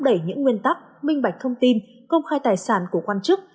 đẩy những nguyên tắc minh bạch thông tin công khai tài sản của quan chức